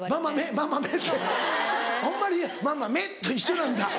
ホンマに「ママメッ！」と一緒なんだ。